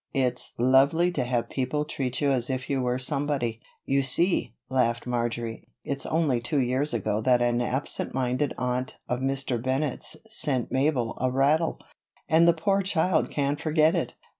"It's lovely to have people treat you as if you were somebody." "You see," laughed Marjory, "it's only two years ago that an absent minded aunt of Mr. Bennett's sent Mabel a rattle, and the poor child can't forget it."